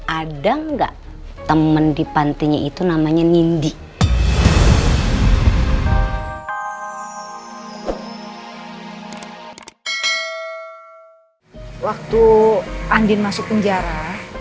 ada enggak temen di pantai itu namanya nindi waktu andin masuk penjara